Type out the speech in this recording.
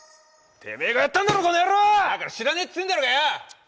てめぇがやったんだろう、だから知らねえってんだろがよ。